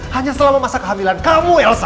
hanya selama masa kehamilan kamu elsa